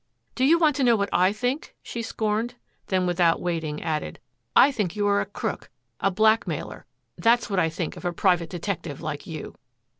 "Do you want to know what I think?" she scorned, then without waiting added, "I think you are a crook a blackmailer, that's what I think of a private detective like you."